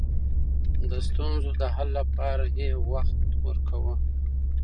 د ستونزو د حل لپاره يې وخت ورکاوه.